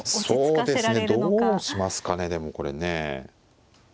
そうですねどうしますかねでもこれね。